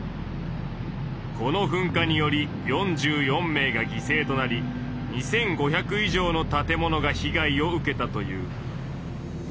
この噴火により４４名が犠牲となり２，５００以上の建物が被害を受けたという。